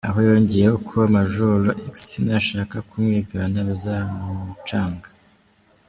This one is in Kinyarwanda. Aha yongeyeho ko Major X nashaka kumwigana `bizamucanga’.